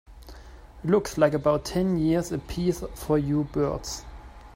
Looks like about ten years a piece for you birds.